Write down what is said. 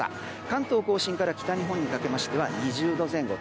関東・甲信から北日本にかけましては２０度前後。